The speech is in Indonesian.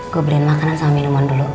gue beliin makanan sama minuman dulu